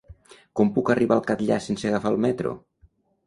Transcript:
Com puc arribar al Catllar sense agafar el metro?